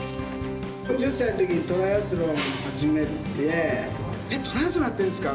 ４０歳のときにトライアスロンを始めて、えっ、トライアスロンやってるんですか？